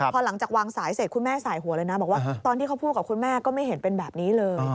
พอหลังจากวางสายเสร็จคุณแม่สายหัวเลยนะบอกว่าตอนที่เขาพูดกับคุณแม่ก็ไม่เห็นเป็นแบบนี้เลย